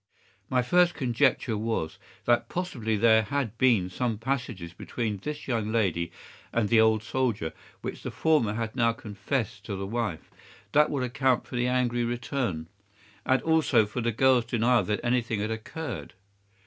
"My first conjecture was, that possibly there had been some passages between this young lady and the old soldier, which the former had now confessed to the wife. That would account for the angry return, and also for the girl's denial that anything had occurred.